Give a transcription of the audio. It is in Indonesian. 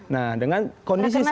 nah dengan kondisi seperti